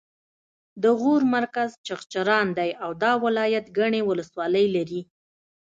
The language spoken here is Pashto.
د غور مرکز چغچران دی او دا ولایت ګڼې ولسوالۍ لري